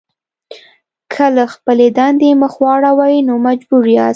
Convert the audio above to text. که له خپلې دندې مخ واړوئ نو مجبور یاست.